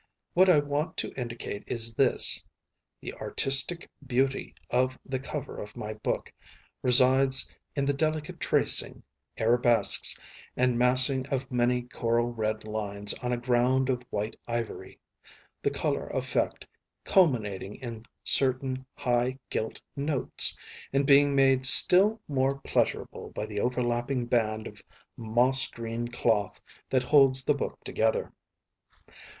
What I want to indicate is this: the artistic beauty of the cover of my book resides in the delicate tracing, arabesques, and massing of many coral red lines on a ground of white ivory, the colour effect culminating in certain high gilt notes, and being made still more pleasurable by the overlapping band of moss green cloth that holds the book together.